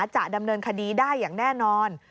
จะดำเนินคดีได้อย่างแน่นอน